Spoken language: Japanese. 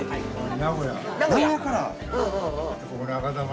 名古屋から。